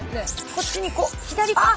こっちにこう左あっ！